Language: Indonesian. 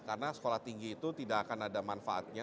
karena sekolah tinggi itu tidak akan ada manfaatnya